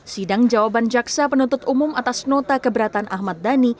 sidang jawaban jaksa penuntut umum atas nota keberatan ahmad dhani